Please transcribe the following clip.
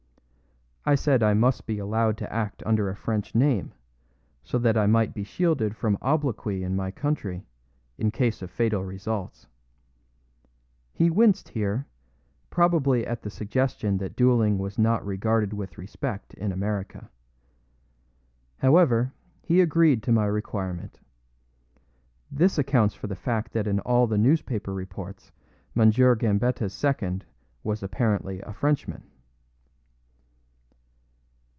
I said I must be allowed to act under a French name, so that I might be shielded from obloquy in my country, in case of fatal results. He winced here, probably at the suggestion that dueling was not regarded with respect in America. However, he agreed to my requirement. This accounts for the fact that in all the newspaper reports M. Gambetta's second was apparently a Frenchman.